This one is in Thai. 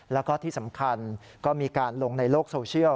แล้วก็ที่สำคัญก็มีการลงในโลกโซเชียล